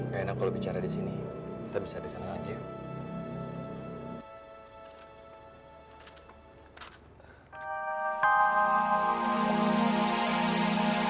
gak enak kalau bicara disini kita bisa disana aja ya